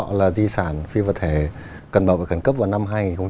đó là di sản phi vật thể cần bảo vệ cẩn cấp vào năm hai nghìn một mươi một